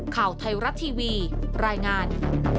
ข่าวไทยรัฐทีวีรายงาน